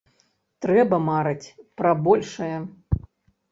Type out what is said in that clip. Трэба марыць пра большае.